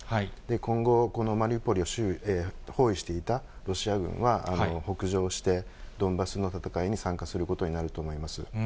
今後、このマリウポリを包囲していたロシア軍は、北上して、ドンバスの戦いに参加することになると思います。